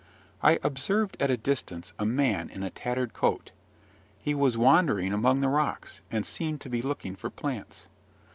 I observed at a distance a man in a tattered coat: he was wandering among the rocks, and seemed to be looking for plants.